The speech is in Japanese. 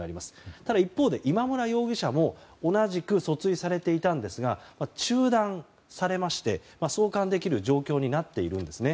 ただ、一方で今村容疑者も同じく訴追されていましたが中断されまして送還できる状況になっているんですね。